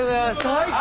最高！